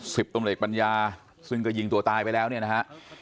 สิบตำรวจเอกปัญญาซึ่งก็ยิงตัวตายไปแล้วเนี่ยนะฮะ